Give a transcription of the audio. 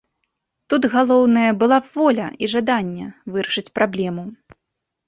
Тут галоўнае была б воля і жаданне вырашыць праблему.